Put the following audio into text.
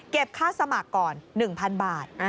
ค่าสมัครก่อน๑๐๐๐บาท